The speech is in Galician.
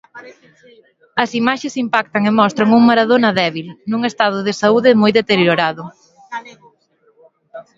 As imaxes impactan e mostran un Maradona débil, nun estado de saúde moi deteriorado.